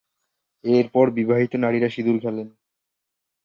এর পর বিবাহিত নারীরা সিঁদুর খেলেন।